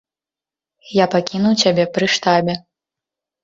Я пакінуў цябе пры штабе.